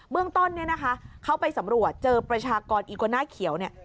เรื่องต้นเนี่ยนะคะเขาไปสำรวจเจอประชากรอีโกน่าเขียวเนี่ย